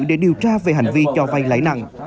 để điều tra về hành vi cho vay lãi nặng